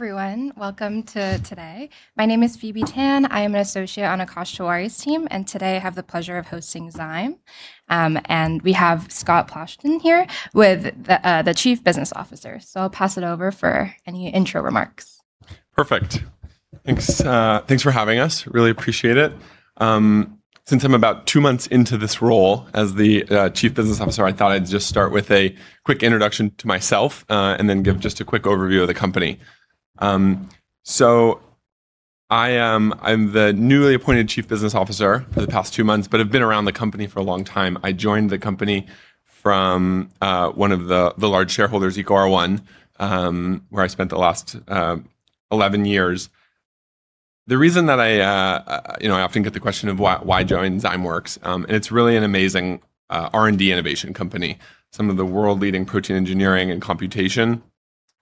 Hi, everyone. Welcome to today. My name is Phoebe Tan. I am an associate on Akash Tewari's team. Today I have the pleasure of hosting Zymeworks. We have Scott Platshon here with the Chief Business Officer. I'll pass it over for any intro remarks. Perfect. Thanks for having us, really appreciate it. Since I'm about two months into this role as the Chief Business Officer, I thought I'd just start with a quick introduction to myself, then give just a quick overview of the company. I'm the newly appointed Chief Business Officer for the past two months, but have been around the company for a long time. I joined the company from one of the large shareholders, EcoR1, where I spent the last 11 years. The reason that I often get the question of why join Zymeworks, it's really an amazing R&D innovation company. Some of the world-leading protein engineering and computation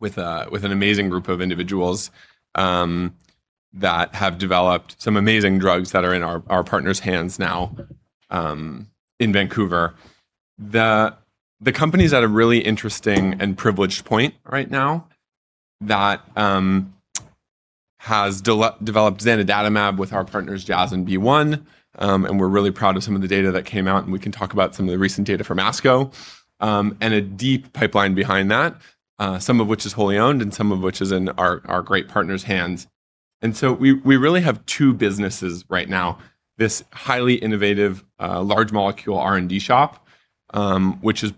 with an amazing group of individuals that have developed some amazing drugs that are in our partners' hands now in Vancouver. The company's at a really interesting and privileged point right now that has developed zanidatamab with our partners, Jazz and BeiGene, and we're really proud of some of the data that came out, and we can talk about some of the recent data from ASCO, and a deep pipeline behind that, some of which is wholly owned and some of which is in our great partners' hands. We really have two businesses right now, this highly innovative, large molecule R&D shop, which is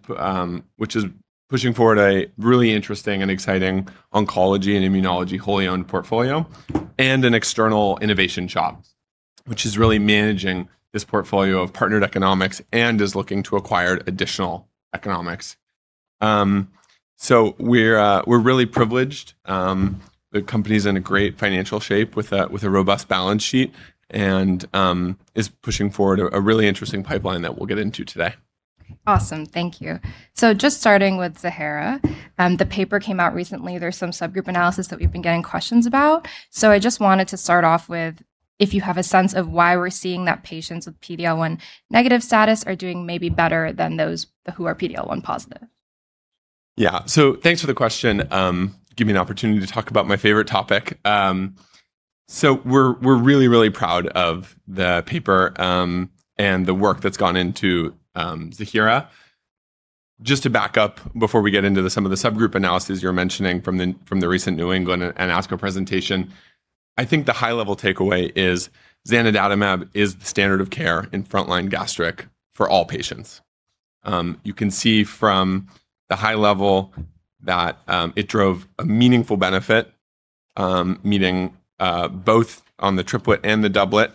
pushing forward a really interesting and exciting oncology and immunology wholly owned portfolio, and an external innovation shop, which is really managing this portfolio of partnered economics and is looking to acquire additional economics. We're really privileged. The company's in a great financial shape with a robust balance sheet and is pushing forward a really interesting pipeline that we'll get into today. Awesome. Thank you. Just starting with Ziihera, the paper came out recently. There's some subgroup analysis that we've been getting questions about. I just wanted to start off with, if you have a sense of why we're seeing that patients with PD-L1 negative status are doing maybe better than those who are PD-L1 positive. Yeah. Thanks for the question, give me an opportunity to talk about my favorite topic. We're really proud of the paper and the work that's gone into Ziihera. Just to back up before we get into some of the subgroup analysis you're mentioning from the recent New England and ASCO presentation, I think the high level takeaway is zanidatamab is the standard of care in frontline gastric for all patients. You can see from the high level that it drove a meaningful benefit, meaning both on the triplet and the doublet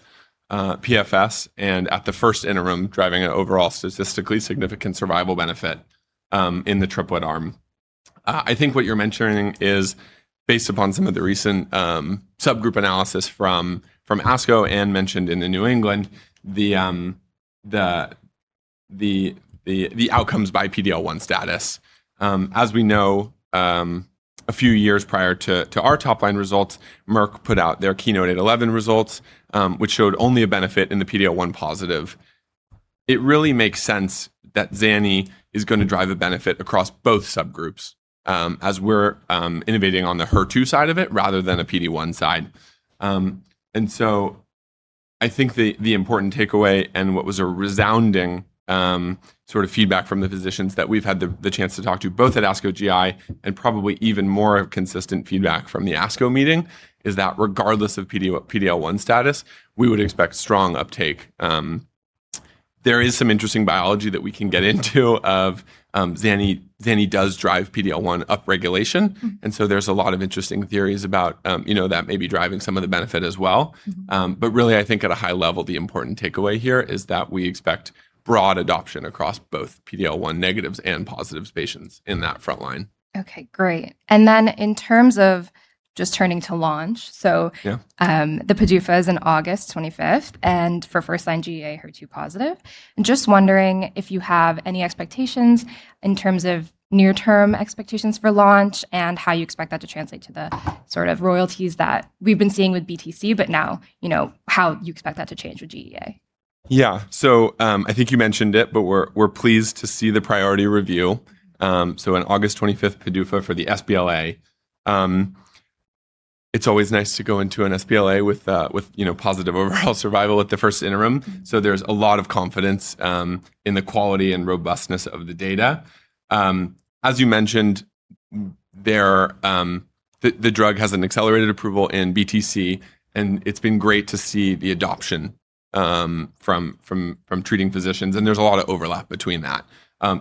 PFS, and at the first interim, driving an overall statistically significant survival benefit in the triplet arm. I think what you're mentioning is based upon some of the recent subgroup analysis from ASCO and mentioned in the New England, the outcomes by PD-L1 status. As we know, a few years prior to our top line results, Merck put out their KEYNOTE-811 results, which showed only a benefit in the PD-L1 positive. It really makes sense that Zani is going to drive a benefit across both subgroups, as we're innovating on the HER2 side of it rather than a PD-1 side. I think the important takeaway and what was a resounding sort of feedback from the physicians that we've had the chance to talk to, both at ASCO GI and probably even more consistent feedback from the ASCO meeting, is that regardless of PD-L1 status, we would expect strong uptake. There is some interesting biology that we can get into of zani. Zani does drive PD-L1 upregulation, and so there's a lot of interesting theories about that may be driving some of the benefit as well. Really, I think at a high level, the important takeaway here is that we expect broad adoption across both PD-L1 negatives and positives patients in that frontline. Okay, great. Then in terms of just turning to launch. The PDUFA is in August 25th and for first-line GEA HER2 positive. Just wondering if you have any expectations in terms of near-term expectations for launch and how you expect that to translate to the sort of royalties that we've been seeing with BTC, but now how you expect that to change with GEA? Yeah. I think you mentioned it, but we're pleased to see the priority review. On August 25th, PDUFA for the sBLA. It's always nice to go into an sBLA with positive overall survival at the first interim. There's a lot of confidence in the quality and robustness of the data. As you mentioned, the drug has an accelerated approval in BTC, and it's been great to see the adoption from treating physicians, and there's a lot of overlap between that.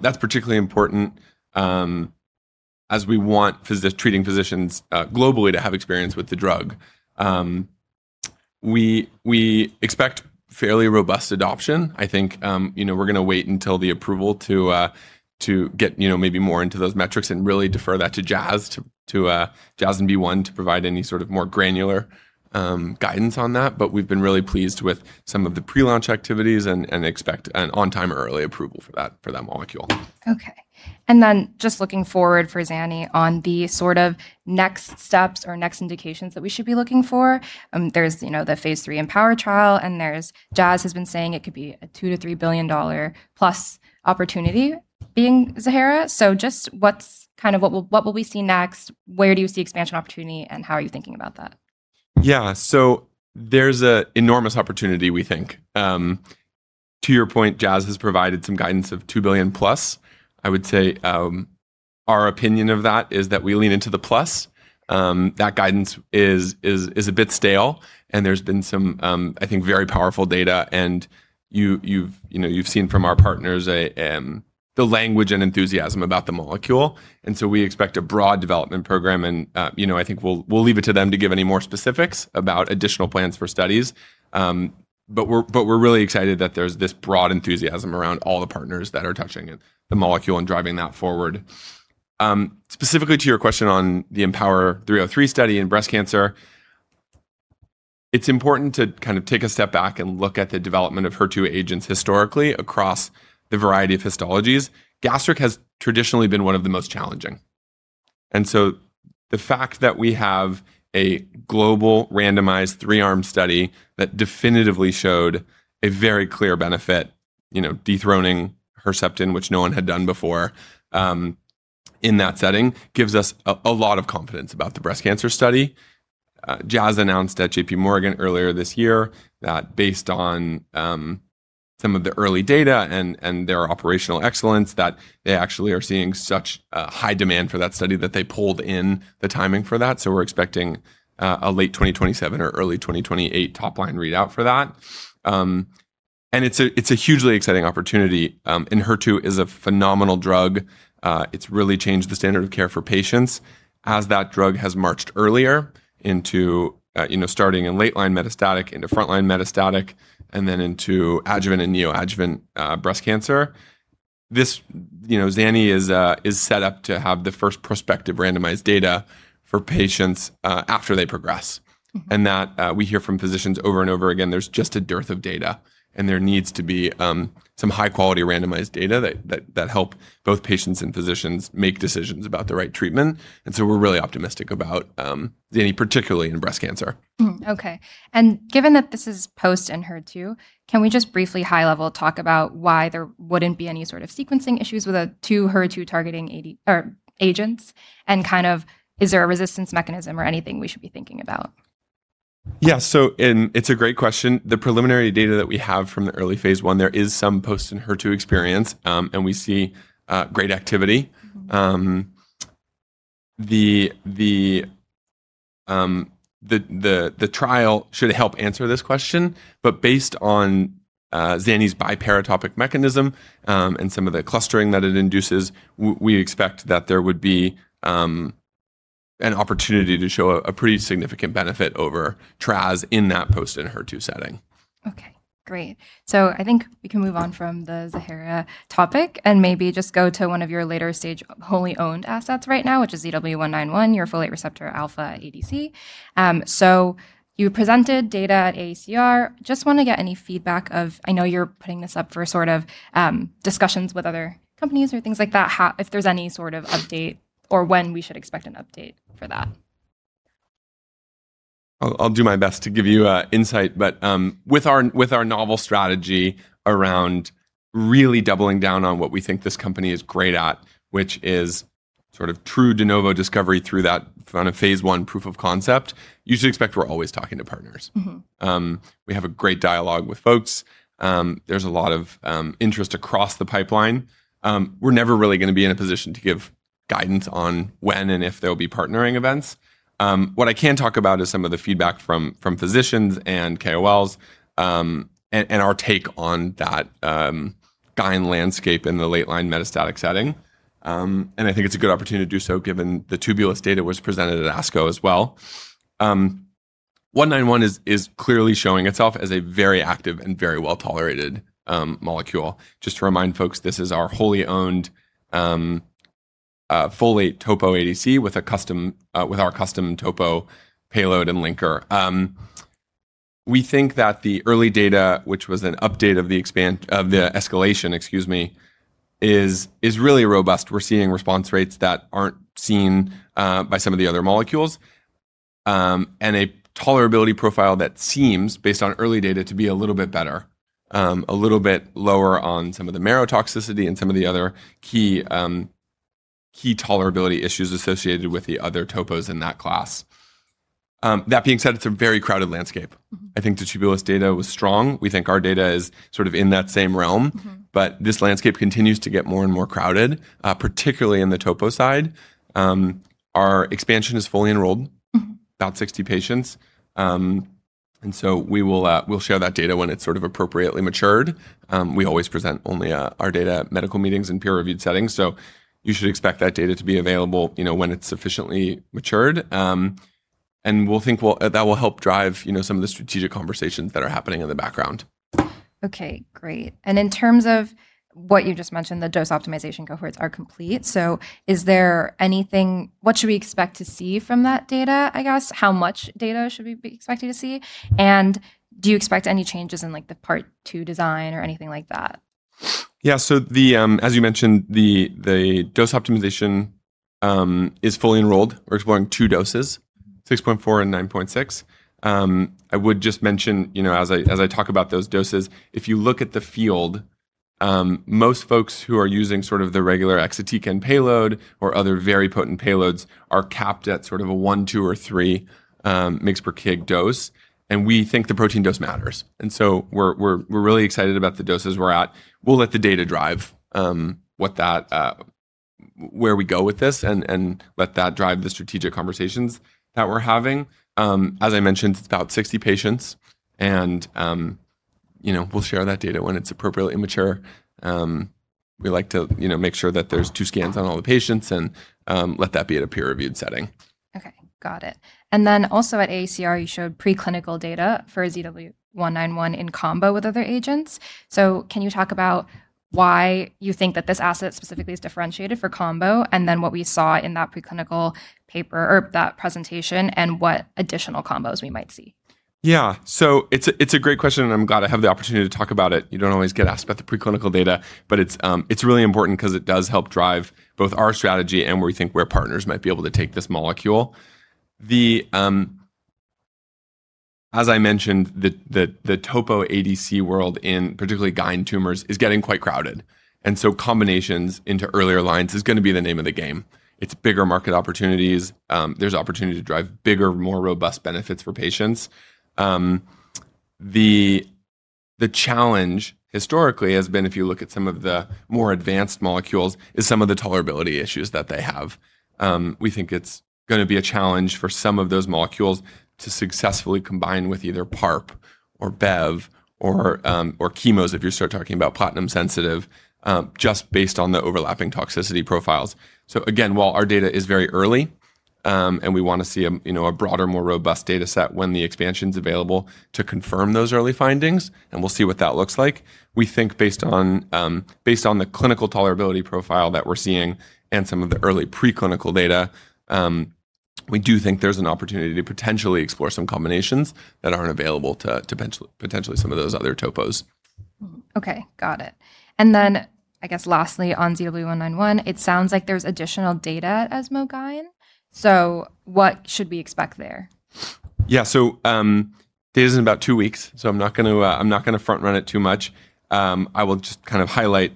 That's particularly important as we want treating physicians globally to have experience with the drug. We expect fairly robust adoption. I think we're going to wait until the approval to get maybe more into those metrics and really defer that to Jazz and BeiGene to provide any sort of more granular guidance on that. We've been really pleased with some of the pre-launch activities and expect an on-time early approval for that molecule. Just looking forward for Zani on the sort of next steps or next indications that we should be looking for. There's the phase III EmpowHER trial, and Jazz has been saying it could be a $2 billion-$3 billion-plus opportunity being Ziihera. Just what will we see next? Where do you see expansion opportunity, and how are you thinking about that? Yeah. There's an enormous opportunity, we think. To your point, Jazz has provided some guidance of $2 billion plus. I would say, our opinion of that is that we lean into the plus. That guidance is a bit stale. There's been some, I think, very powerful data. You've seen from our partners the language and enthusiasm about the molecule. We expect a broad development program and I think we'll leave it to them to give any more specifics about additional plans for studies. We're really excited that there's this broad enthusiasm around all the partners that are touching the molecule and driving that forward. Specifically to your question on the EmpowHER-303 study in breast cancer, it's important to take a step back and look at the development of HER2 agents historically across the variety of histologies. Gastric has traditionally been one of the most challenging. The fact that we have a global randomized 3-arm study that definitively showed a very clear benefit, dethroning Herceptin, which no one had done before, in that setting gives us a lot of confidence about the breast cancer study. Jazz announced at J.P. Morgan earlier this year that based on some of the early data and their operational excellence, that they actually are seeing such a high demand for that study that they pulled in the timing for that. We're expecting a late 2027 or early 2028 top-line readout for that. It's a hugely exciting opportunity. HER2 is a phenomenal drug. It's really changed the standard of care for patients as that drug has marched earlier into starting in late-line metastatic, into front-line metastatic, and then into adjuvant and neoadjuvant breast cancer. Zani is set up to have the first prospective randomized data for patients after they progress. That we hear from physicians over and over again, there's just a dearth of data, and there needs to be some high-quality randomized data that help both patients and physicians make decisions about the right treatment. We're really optimistic about ZANI, particularly in breast cancer. Okay. Given that this is post-Enhertu, can we just briefly high level talk about why there wouldn't be any sort of sequencing issues with a two HER2 targeting agents, and is there a resistance mechanism or anything we should be thinking about? Yeah. It's a great question. The preliminary data that we have from the early phase I, there is some post-Enhertu experience, and we see great activity. The trial should help answer this question, but based on ZANI's biparatopic mechanism, and some of the clustering that it induces, we expect that there would be an opportunity to show a pretty significant benefit over T-DXd in that post-Enhertu setting. Okay, great. I think we can move on from the Ziihera topic and maybe just go to one of your later stage wholly owned assets right now, which is ZW191, your folate receptor alpha ADC. You presented data at AACR. Just want to get any feedback of, I know you're putting this up for sort of discussions with other companies or things like that, if there's any sort of update or when we should expect an update for that. I'll do my best to give you insight, but with our novel strategy around really doubling down on what we think this company is great at, which is sort of true de novo discovery through that phase I proof of concept, you should expect we're always talking to partners. We have a great dialogue with folks. There's a lot of interest across the pipeline. We're never really going to be in a position to give guidance on when and if there'll be partnering events. I can talk about is some of the feedback from physicians and KOLs, and our take on that GYN landscape in the late-line metastatic setting. I think it's a good opportunity to do so given the Tubulis data was presented at ASCO as well. 191 is clearly showing itself as a very active and very well-tolerated molecule. Just to remind folks, this is our wholly owned folate topoisomerase ADC with our custom topoisomerase payload and linker. We think that the early data, which was an update of the escalation, is really robust. We're seeing response rates that aren't seen by some of the other molecules, and a tolerability profile that seems, based on early data, to be a little bit better, a little bit lower on some of the marrow toxicity and some of the other key tolerability issues associated with the other topos in that class. That being said, it's a very crowded landscape. I think the Tubulis data was strong. We think our data is sort of in that same realm. This landscape continues to get more and more crowded, particularly in the topoisomerase side. Our expansion is fully enrolled. About 60 patients. We'll share that data when it's sort of appropriately matured. We always present only our data at medical meetings and peer-reviewed settings. You should expect that data to be available when it's sufficiently matured. We'll think that will help drive some of the strategic conversations that are happening in the background. Okay, great. In terms of what you just mentioned, the dose optimization cohorts are complete. What should we expect to see from that data, I guess? How much data should we be expecting to see? Do you expect any changes in the part two design or anything like that? As you mentioned, the dose optimization is fully enrolled. We're exploring two doses, 6.4 and 9.6. I would just mention, as I talk about those doses, if you look at the field, most folks who are using the regular exatecan payload or other very potent payloads are capped at a one, two, or three mg per kg dose, and we think the protein dose matters. We're really excited about the doses we're at. We'll let the data drive where we go with this and let that drive the strategic conversations that we're having. As I mentioned, it's about 60 patients, and we'll share that data when it's appropriately mature. We like to make sure that there's two scans on all the patients and let that be at a peer-reviewed setting. Okay. Got it. Also at AACR, you showed preclinical data for ZW191 in combo with other agents. Can you talk about why you think that this asset specifically is differentiated for combo, what we saw in that preclinical paper or that presentation, and what additional combos we might see? Yeah. It's a great question, and I'm glad I have the opportunity to talk about it. You don't always get asked about the preclinical data, but it's really important because it does help drive both our strategy and where we think where partners might be able to take this molecule. As I mentioned, the topoisomerase ADC world in particularly GYN tumors is getting quite crowded, combinations into earlier lines is going to be the name of the game. It's bigger market opportunities. There's opportunity to drive bigger, more robust benefits for patients. The challenge historically has been, if you look at some of the more advanced molecules, is some of the tolerability issues that they have. We think it's going to be a challenge for some of those molecules to successfully combine with either PARP or bevacizumab or chemos if you start talking about platinum sensitive, just based on the overlapping toxicity profiles. Again, while our data is very early, and we want to see a broader, more robust data set when the expansion's available to confirm those early findings, and we'll see what that looks like. We think based on the clinical tolerability profile that we're seeing and some of the early preclinical data, we do think there's an opportunity to potentially explore some combinations that aren't available to potentially some of those other topos. Okay. Got it. I guess lastly, on ZW191, it sounds like there's additional data ESMO GYN, so what should we expect there? Yeah. Data's in about two weeks, so I'm not going to front run it too much. I will just highlight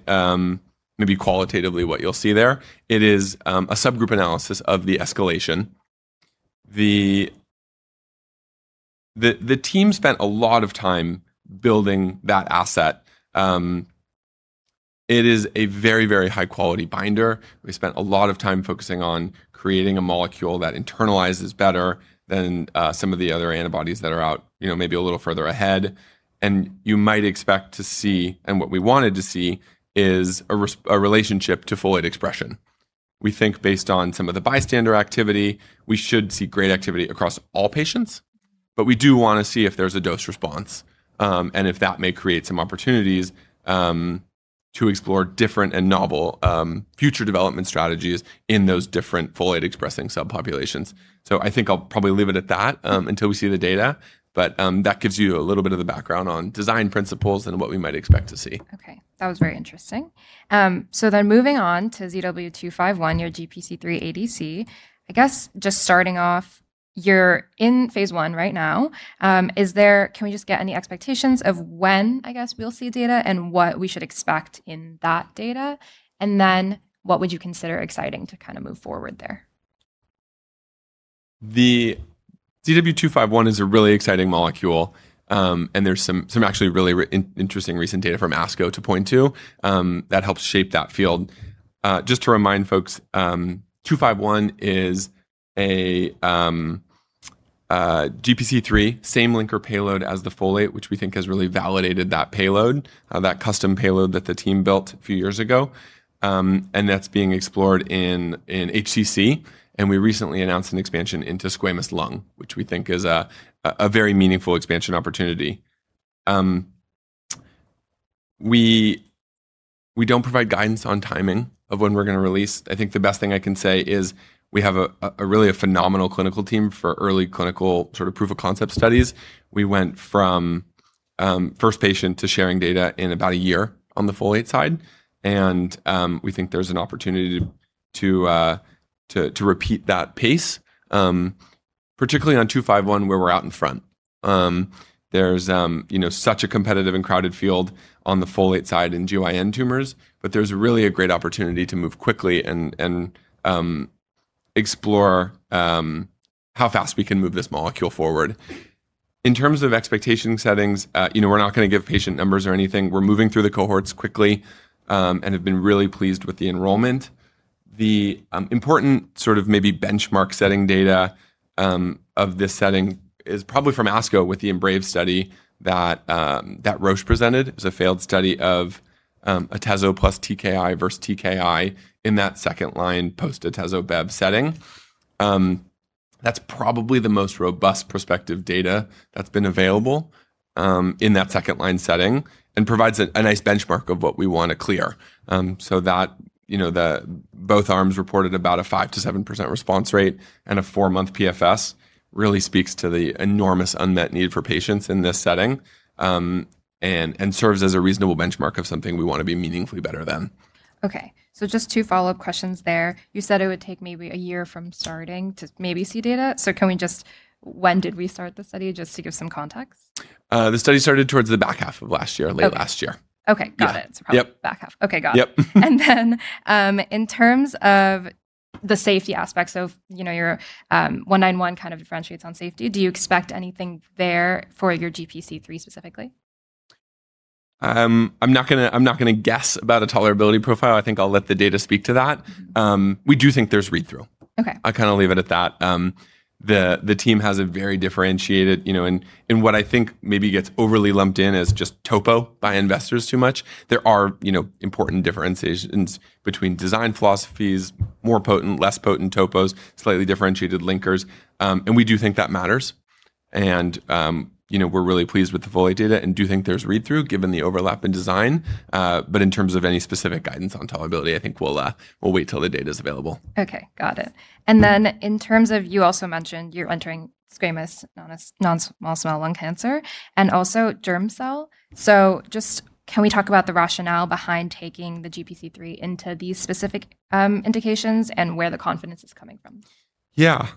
maybe qualitatively what you'll see there. It is a subgroup analysis of the escalation. The team spent a lot of time building that asset. It is a very, very high-quality binder. We spent a lot of time focusing on creating a molecule that internalizes better than some of the other antibodies that are out maybe a little further ahead. You might expect to see, and what we wanted to see, is a relationship to folate expression. We think based on some of the bystander activity, we should see great activity across all patients, but we do want to see if there's a dose response. If that may create some opportunities to explore different and novel future development strategies in those different folate-expressing subpopulations. I think I'll probably leave it at that until we see the data, but that gives you a little bit of the background on design principles and what we might expect to see. Okay. That was very interesting. Moving on to ZW251, your GPC3 ADC, I guess just starting off, you're in phase I right now. Can we just get any expectations of when, I guess, we'll see data and what we should expect in that data? What would you consider exciting to move forward there? The ZW251 is a really exciting molecule, and there's some actually really interesting recent data from ASCO to point to that helps shape that field. Just to remind folks, 251 is a GPC3, same linker payload as the folate, which we think has really validated that payload, that custom payload that the team built a few years ago. That's being explored in HCC, and we recently announced an expansion into squamous lung, which we think is a very meaningful expansion opportunity. We don't provide guidance on timing of when we're going to release. I think the best thing I can say is we have a really phenomenal clinical team for early clinical proof of concept studies. We went from first patient to sharing data in about a year on the folate side, and we think there's an opportunity to repeat that pace, particularly on 251, where we're out in front. There's such a competitive and crowded field on the folate side in GYN tumors, but there's really a great opportunity to move quickly and explore how fast we can move this molecule forward. In terms of expectation settings, we're not going to give patient numbers or anything. We're moving through the cohorts quickly and have been really pleased with the enrollment. The important maybe benchmark setting data of this setting is probably from ASCO with the IMbrave study that Roche presented. It was a failed study of atezolizumab plus TKI versus TKI in that second line post atezolizumab-bev setting. That's probably the most robust prospective data that's been available in that second-line setting and provides a nice benchmark of what we want to clear. That both arms reported about a 5%-7% response rate and a four-month PFS really speaks to the enormous unmet need for patients in this setting, and serves as a reasonable benchmark of something we want to be meaningfully better than. Okay. Just two follow-up questions there. You said it would take maybe a year from starting to maybe see data. When did we start the study, just to give some context? The study started towards the back half of last year, late last year. Okay, got it. Yeah. Probably back half. Okay, got it. Yep. In terms of the safety aspects of your 191 differentiates on safety, do you expect anything there for your GPC3 specifically? I'm not going to guess about a tolerability profile. I think I'll let the data speak to that. We do think there's read-through. I kind of leave it at that. What I think maybe gets overly lumped in as just topoisomerase by investors too much, there are important differentiations between design philosophies, more potent, less potent topos, slightly differentiated linkers. We do think that matters. We're really pleased with the FolRa data and do think there's read-through given the overlap in design. In terms of any specific guidance on tolerability, I think we'll wait till the data's available. Okay, got it. In terms of, you also mentioned you're entering squamous, non-small cell lung cancer, and also germ cell. Just can we talk about the rationale behind taking the GPC3 into these specific indications and where the confidence is coming from? Yeah.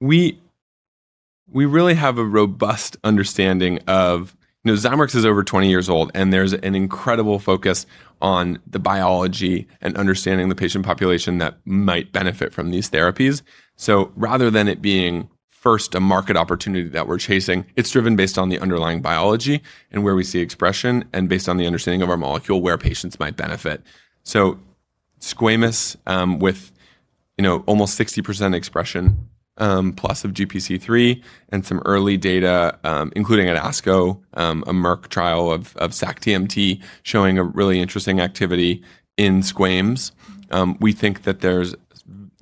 We really have a robust understanding. Zymeworks is over 20 years old, and there's an incredible focus on the biology and understanding the patient population that might benefit from these therapies. Rather than it being first a market opportunity that we're chasing, it's driven based on the underlying biology and where we see expression, and based on the understanding of our molecule where patients might benefit. Squamous with almost 60% expression plus of GPC3 and some early data, including at ASCO, a Merck trial of sac-TMT showing a really interesting activity in squams. We think that there's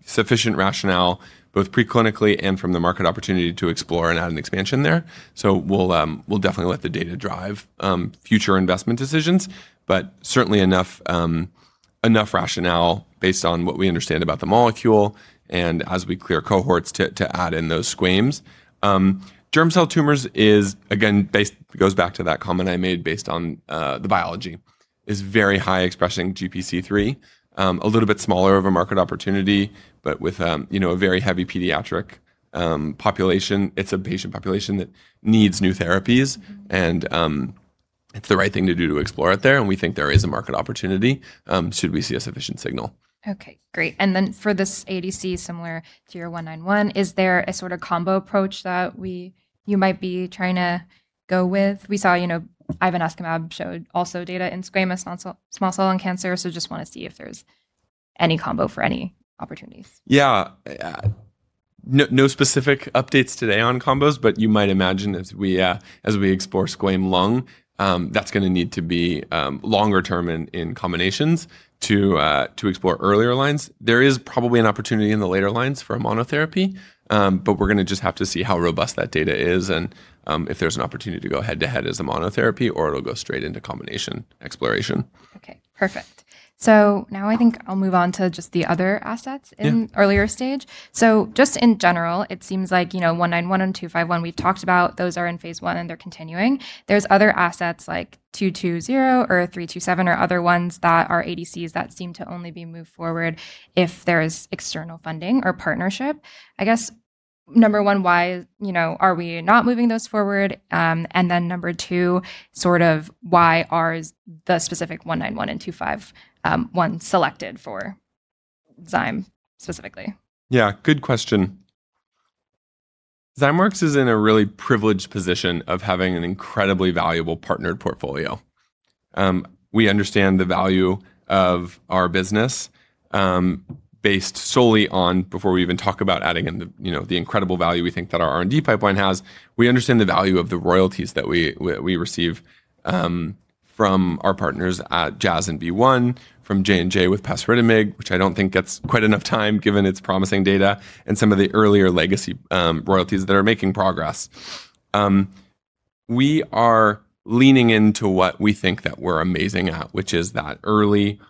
sufficient rationale both preclinically and from the market opportunity to explore and add an expansion there. We'll definitely let the data drive future investment decisions, but certainly enough rationale based on what we understand about the molecule and as we clear cohorts to add in those squams. Germ cell tumors is, again, goes back to that comment I made based on the biology, is very high expressing GPC3. A little bit smaller of a market opportunity, but with a very heavy pediatric population. It's a patient population that needs new therapies, and it's the right thing to do to explore it there, and we think there is a market opportunity should we see a sufficient signal. Okay, great. For this ADC, similar to your 191, is there a sort of combo approach that you might be trying to go with? We saw ivonescimab showed also data in squamous non-small cell lung cancer, so just want to see if there's any combo for any opportunities. Yeah. No specific updates today on combos, but you might imagine as we explore squam lung, that's going to need to be longer term in combinations to explore earlier lines. There is probably an opportunity in the later lines for a monotherapy, but we're going to just have to see how robust that data is and if there's an opportunity to go head-to-head as a monotherapy, or it'll go straight into combination exploration. Okay, perfect. Now I think I'll move on to just the other assets in earlier stage. Just in general, it seems like 191 and 251 we've talked about, those are in phase I and they're continuing. There's other assets like ZW220 or ZW327 or other ones that are ADCs that seem to only be moved forward if there is external funding or partnership. I guess, number one, why are we not moving those forward? Number two, why are the specific 191 and 251 selected for Zymeworks specifically? Yeah, good question. Zymeworks is in a really privileged position of having an incredibly valuable partnered portfolio. We understand the value of our business based solely, before we even talk about adding in the incredible value we think that our R&D pipeline has, we understand the value of the royalties that we receive from our partners at Jazz and EcoR1 Capital, from J&J with pasritamig, which I don't think gets quite enough time given its promising data, and some of the earlier legacy royalties that are making progress. We are leaning into what we think that we're amazing at, which is that early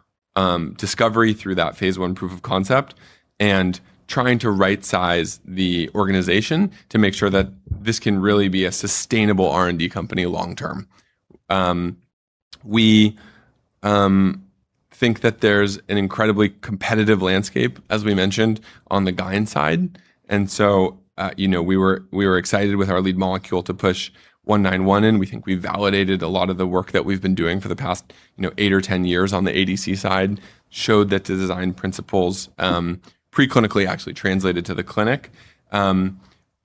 discovery through that phase I proof of concept, and trying to rightsize the organization to make sure that this can really be a sustainable R&D company long term. We think that there's an incredibly competitive landscape, as we mentioned, on the ADC side. We were excited with our lead molecule to push 191 in. We think we validated a lot of the work that we've been doing for the past eight or 10 years on the ADC side, showed that the design principles preclinically actually translated to the clinic.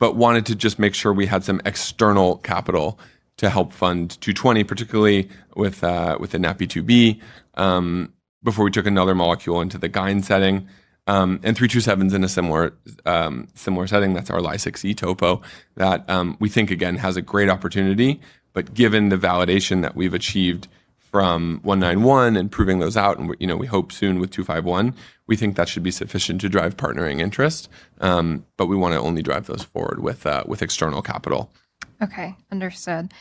Wanted to just make sure we had some external capital to help fund 220, particularly within NaPi2b, before we took another molecule into the guide setting. 327's in a similar setting. That's our Ly6E topo that we think, again, has a great opportunity, but given the validation that we've achieved from 191 and proving those out, and we hope soon with 251, we think that should be sufficient to drive partnering interest. We want to only drive those forward with external capital. Okay, understood.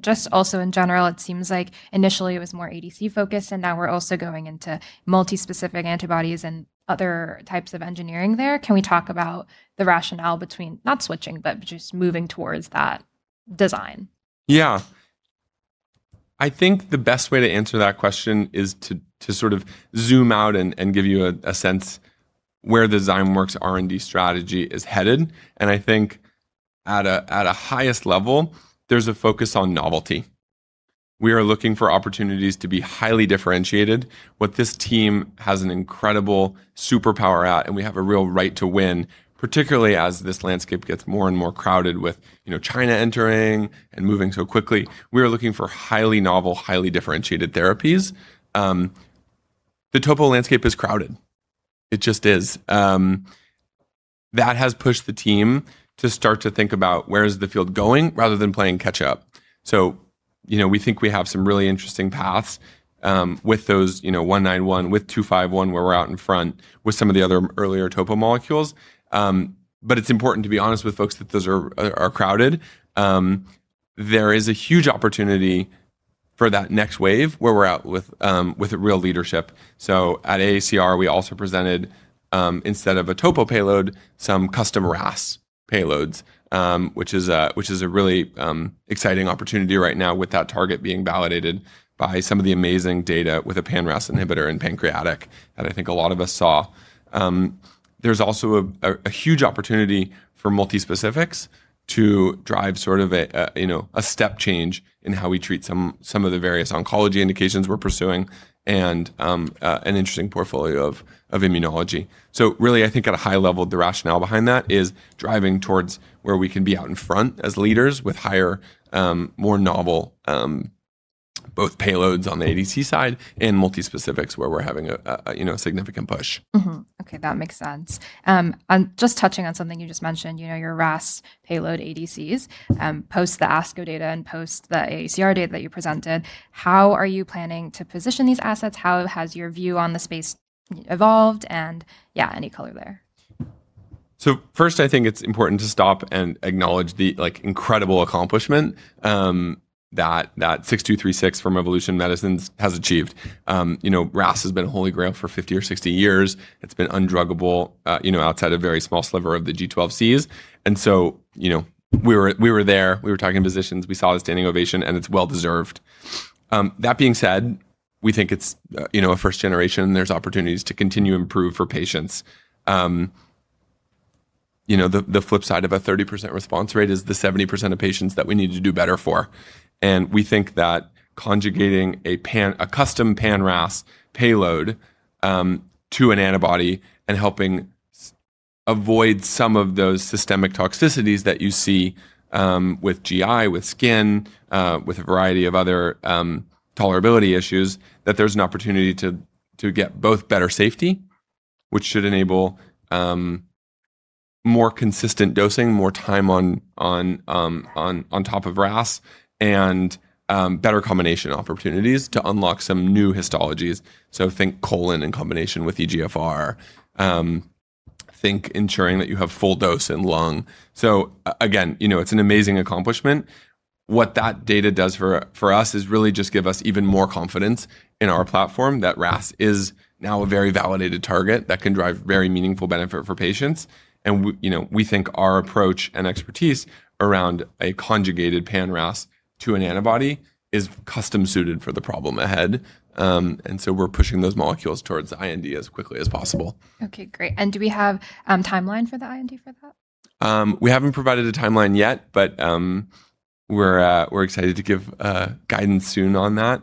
Just also in general, it seems like initially it was more ADC focus. Now we're also going into multi-specific antibodies and other types of engineering there. Can we talk about the rationale between not switching, but just moving towards that design? Yeah. I think the best way to answer that question is to sort of zoom out and give you a sense where the Zymeworks R&D strategy is headed. I think at a highest level, there's a focus on novelty. We are looking for opportunities to be highly differentiated. What this team has an incredible superpower at, and we have a real right to win, particularly as this landscape gets more and more crowded with China entering and moving so quickly. We are looking for highly novel, highly differentiated therapies. The topo landscape is crowded. It just is. That has pushed the team to start to think about where is the field going, rather than playing catch up. We think we have some really interesting paths with ZW191, with ZW251, where we're out in front with some of the other earlier topo molecules. It's important to be honest with folks that those are crowded. There is a huge opportunity for that next wave, where we're out with a real leadership. At AACR, we also presented, instead of a topo payload, some custom RAS payloads which is a really exciting opportunity right now with that target being validated by some of the amazing data with a pan-RAS inhibitor in pancreatic that I think a lot of us saw. A huge opportunity for multi-specifics to drive sort of a step change in how we treat some of the various oncology indications we're pursuing and an interesting portfolio of immunology. Really, I think at a high level, the rationale behind that is driving towards where we can be out in front as leaders with higher, more novel, both payloads on the ADC side and multi-specifics where we're having a significant push. Okay, that makes sense. Just touching on something you just mentioned, your RAS payload ADCs, post the ASCO data and post the AACR data that you presented, how are you planning to position these assets? How has your view on the space evolved? Any color there. First, I think it's important to stop and acknowledge the incredible accomplishment that RMC-6236 from Revolution Medicines has achieved. RAS has been holy grail for 50 or 60 years. It's been undruggable outside a very small sliver of the G12C. We were there, we were talking to physicians, we saw a standing ovation, and it's well-deserved. That being said, we think it's a first generation. There's opportunities to continue to improve for patients. The flip side of a 30% response rate is the 70% of patients that we need to do better for. We think that conjugating a custom pan-RAS payload to an antibody and helping avoid some of those systemic toxicities that you see with GI, with skin, with a variety of other tolerability issues, that there's an opportunity to get both better safety, which should enable more consistent dosing, more time on top of RAS, and better combination opportunities to unlock some new histologies. Think colon in combination with EGFR. Think ensuring that you have full dose in lung. Again, it's an amazing accomplishment. What that data does for us is really just give us even more confidence in our platform that RAS is now a very validated target that can drive very meaningful benefit for patients. We think our approach and expertise around a conjugated pan-RAS to an antibody is custom-suited for the problem ahead. We're pushing those molecules towards IND as quickly as possible. Okay, great. Do we have timeline for the IND for that? We haven't provided a timeline yet, but we're excited to give guidance soon on that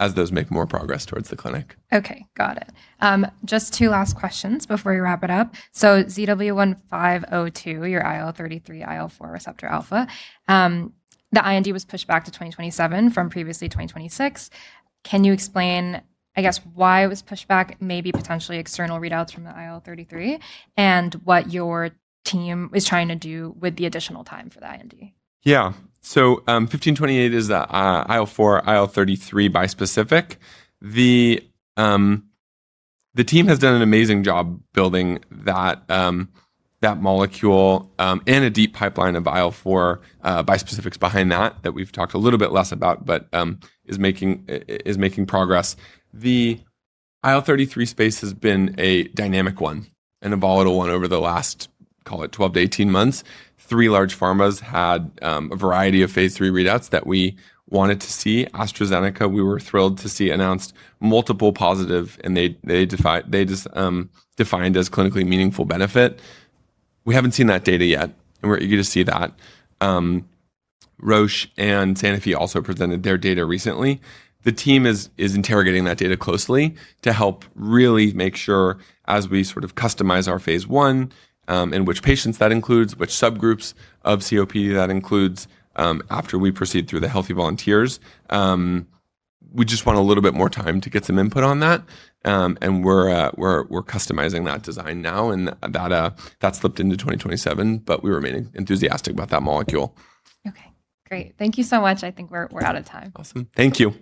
as those make more progress towards the clinic. Okay. Got it. Just two last questions before we wrap it up. ZW1528, your IL-33, IL-4 receptor alpha, the IND was pushed back to 2027 from previously 2026. Can you explain, I guess, why it was pushed back, maybe potentially external readouts from the IL-33, and what your team is trying to do with the additional time for the IND? Yeah. 1528 is the IL-4, IL-33 bispecific. The team has done an amazing job building that molecule and a deep pipeline of IL-4 bispecifics behind that we've talked a little bit less about, but is making progress. The IL-33 space has been a dynamic one and a volatile one over the last, call it 12 to 18 months. Three large pharmas had a variety of phase III readouts that we wanted to see. AstraZeneca, we were thrilled to see, announced multiple positive, and they defined as clinically meaningful benefit. We haven't seen that data yet, and we're eager to see that. Roche and Sanofi also presented their data recently. The team is interrogating that data closely to help really make sure, as we sort of customize our phase I, and which patients that includes, which subgroups of COPD that includes, after we proceed through the healthy volunteers. We just want a little bit more time to get some input on that. We're customizing that design now, and that slipped into 2027, but we remain enthusiastic about that molecule. Okay, great. Thank you so much. I think we're out of time. Awesome. Thank you.